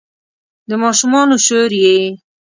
د ماشومانو شور یې